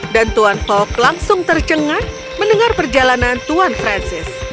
dan tuan fogg langsung tercengang mendengar perjalanan tuan francis